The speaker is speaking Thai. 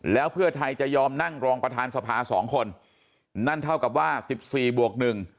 แล้วเพื่อไทยจะยอมนั่งรองประธานสภา๒คนนั่นเท่ากับว่า๑๔บวก๑